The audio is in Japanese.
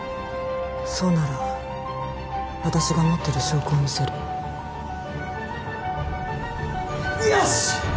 そうなら私が持ってる証拠を見せるよし！